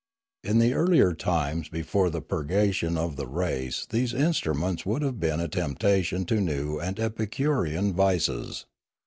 In the earlier times before the purgation of the race these instruments would have been a temptation to new and epicurean vices.